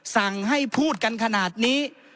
สั่งให้พูดกันขนาดนี้